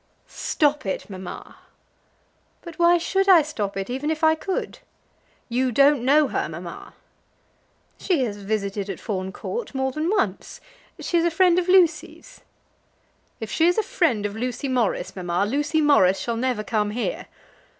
"Stop it, mamma." "But why should I stop it, even if I could?" "You don't know her, mamma." "She has visited at Fawn Court, more than once. She is a friend of Lucy's." "If she is a friend of Lucy Morris, mamma, Lucy Morris shall never come here."